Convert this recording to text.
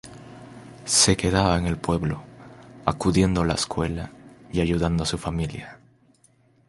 Se quedaba en el pueblo, acudiendo a la escuela y ayudando a su familia.